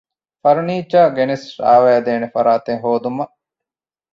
ފަރުނީޗަރ ގެނެސް ރާވައިދޭނެ ފަރާތެއް ހޯދުމަށް